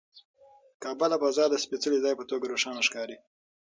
کعبه له فضا د سپېڅلي ځای په توګه روښانه ښکاري.